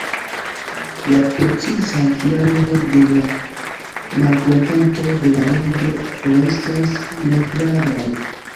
La precizaj kialoj de la malkontento de la reĝo restas neklaraj.